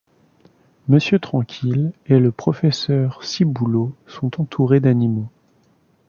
Monsieur Tranquille et le professeur Ciboulot sont entourés d'animaux.